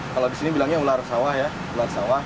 kalau di sini bilangnya ular sawah ya ular sawah